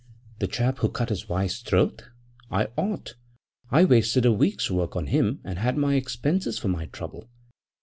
'The chap who cut his wife's throat? I ought; I wasted a week's work on him and had my expenses for my trouble.